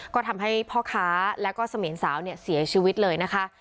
ก็ทำให้พ่อค้าแล้วก็เสมียนสาวเนี่ยเสียชีวิตเลยนะคะ